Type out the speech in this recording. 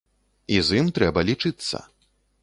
І з ім трэба лічыцца.